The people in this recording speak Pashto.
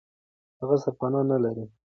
هغه سرپنا نه لري.